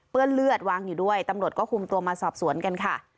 เลือดวางอยู่ด้วยตำรวจก็คุมตัวมาสอบสวนกันค่ะ